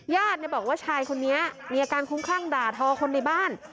ญาติบอกว่าชายคนนี้มีอาการคุ้มคลั่งด่าทอคนในบ้าน